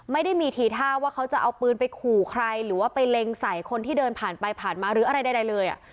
ไม่ได้มีทีท่าว่าเขาจะเอาปืนไปขู่ใครหรือว่าไปเล็งใส่คนที่เดินผ่านไปผ่านมาหรืออะไรใดเลย